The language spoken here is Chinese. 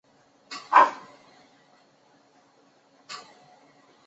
一般意义上并不包含其他国家直接派遣的军队。